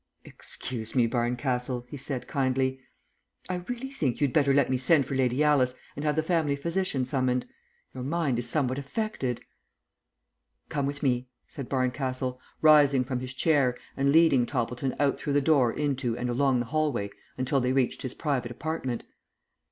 "Excuse me, Barncastle," he said, kindly. "I really think you'd better let me send for Lady Alice and have the family physician summoned. Your mind is somewhat affected." "Come with me," said Barncastle, rising from his chair and leading Toppleton out through the door into and along the hallway until they reached his private apartment.